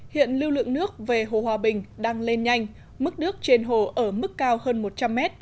hiện lưu lượng nước về hồ hòa bình đang lên nhanh mức nước trên hồ ở mức cao hơn một trăm linh m